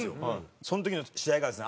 その時の試合がですね